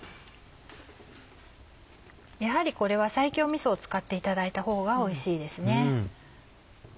やはりこれは西京みそを使っていただいたほうがおいしいですね。